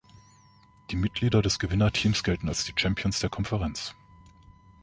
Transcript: Die Mitglieder des Gewinnerteams gelten als die Champions der Konferenz.